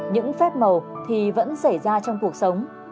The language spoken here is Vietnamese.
những phép màu thì vẫn xảy ra trong cuộc sống